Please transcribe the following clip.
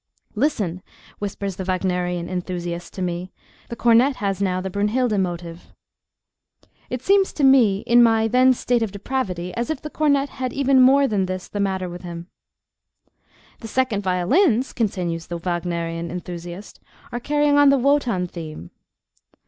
"Listen," whispers the Wagnerian enthusiast to me, "the cornet has now the Brunnhilda motive." It seems to me, in my then state of depravity, as if the cornet had even more than this the matter with him. "The second violins," continues the Wagnerian enthusiast, "are carrying on the Wotan theme."